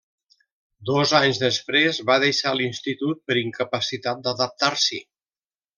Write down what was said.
Dos anys després va deixar l'institut per incapacitat d'adaptar-s'hi.